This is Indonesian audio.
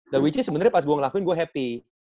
nah which is sebenernya pas gue ngelakuin gue happy